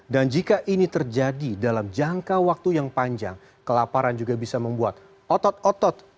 dan jika ini terjadi dalam jangka waktu yang panjang kelaparan juga bisa membuat otot otot